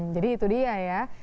jadi itu dia ya